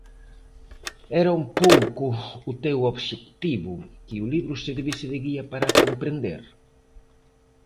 Era un pouco o teu obxectivo, que o libro servise de guía para comprender?